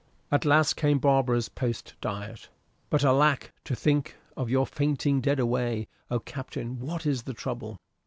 At last came Barbara's post diet. "But alack! to think of your fainting dead away! O Captain, what is the trouble?"